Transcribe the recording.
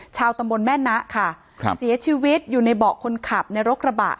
ชาวตำบลแม่นะค่ะครับเสียชีวิตอยู่ในเบาะคนขับในรถกระบะ